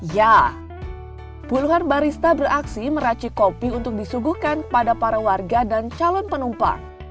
ya puluhan barista beraksi meraci kopi untuk disuguhkan kepada para warga dan calon penumpang